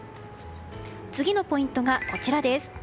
次のポイントがこちら。